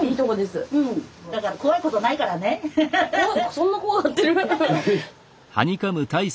そんな怖がってる？